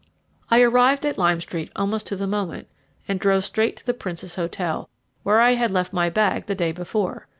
I arrived at Lime Street almost to the moment and drove straight to the Prince's Hotel, where I had left my bag the day before.